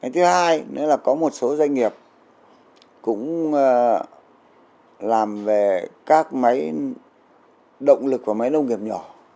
thứ hai nữa là có một số doanh nghiệp cũng làm về các máy động lực của máy nông nghiệp nhỏ